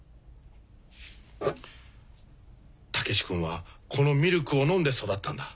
武志君はこのミルクを飲んで育ったんだ。